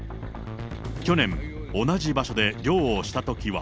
去年、同じ場所で漁をしたときは。